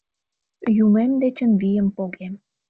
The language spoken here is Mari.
Юмем дечын вийым погем.